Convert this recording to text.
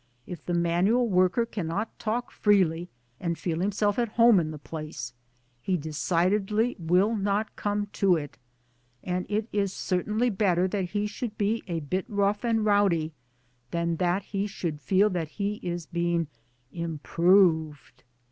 If the manual worker cannot talk freely and feel himself at home in the pl'ace he decidedly will not come to it ; and it is certainly better that he should be a bit rough and rowdy than that he should feel that he is beingi * improved.'